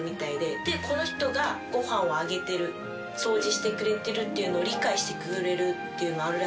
でこの人がご飯をあげてる掃除してくれてるっていうのを理解してくれるっていうのあるらしくて。